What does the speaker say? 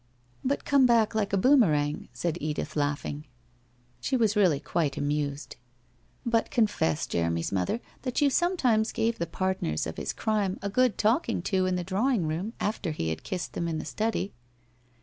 ' But come back like a boomerang,' said Edith laughing. She was really quite amused. ' But, confess, Jeremy's mother, that you sometimes gave the partners of his crime a good talking to in the drawing room, after he had kissed them in the study.'